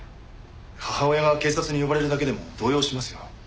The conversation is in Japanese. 母親が警察に呼ばれるだけでも動揺しますよ。